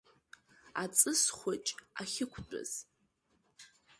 Аҵыс хәыҷ ахьықәтәаз…